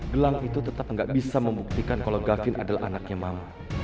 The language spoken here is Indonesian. gelang itu tetap gak bisa membuktikan kalau gavin adalah anaknya mama